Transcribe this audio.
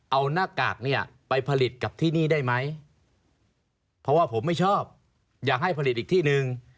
เอาหน้ากากเนี่ยไปผลิตกับที่นี่ได้ไหมเพราะว่าผมไม่ชอบอยากให้ผลิตอีกที่หนึ่ง